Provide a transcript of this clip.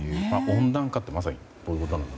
温暖化とはまさにこういうこと。